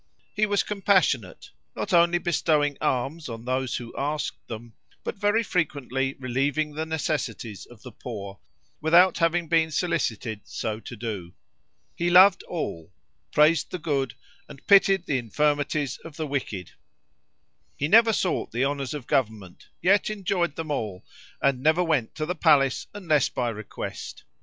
He was compassionate; not only bestowing alms on those who asked them, but very frequently relieving the necessities of the poor, without having been solicited so to do. He loved all; praised the good, and pitied the infirmities of the wicked. He never sought the honors of government; yet enjoyed them all; and never went to the palace unless by request.